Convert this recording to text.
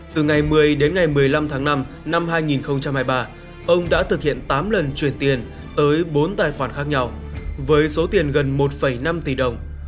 từ ngày một mươi đến ngày một mươi năm tháng năm năm hai nghìn hai mươi ba ông đã thực hiện tám lần chuyển tiền tới bốn tài khoản khác nhau với số tiền gần một năm tỷ đồng